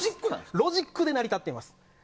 ロジックで成り立っています。